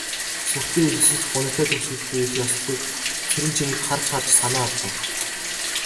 Сүртэй эхэлсэн ч гунигтай төгсөж буй их ёслолыг Цэрэнчимэд харж харж санаа алдав.